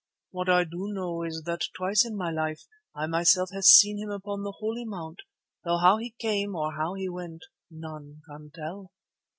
What I do know is that twice in my life I myself have seen him upon the Holy Mount, though how he came or how he went none can tell."